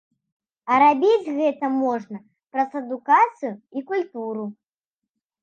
А рабіць гэта можна праз адукацыю і культуру.